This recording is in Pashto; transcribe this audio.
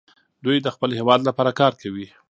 دوی د خپل هېواد لپاره کار کوي.